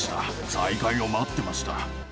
再開を待ってました。